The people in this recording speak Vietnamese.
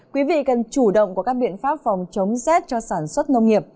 quý vị cần chủ động có các biện pháp phòng chống rét cho sản xuất nông nghiệp